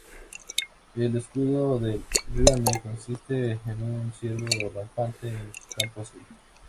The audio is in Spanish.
El escudo del "rione" consiste en un ciervo rampante en campo azul.